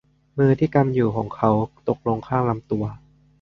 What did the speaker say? มือที่กำอยู่ของเขาตกลงข้างลำตัว